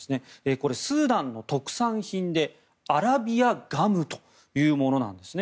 これ、スーダンの特産品でアラビアガムというものなんですね。